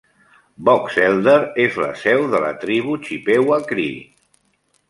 Box Elder és la seu de la tribu Chippewa-Cree.